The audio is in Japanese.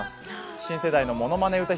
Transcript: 新世代のものまね歌姫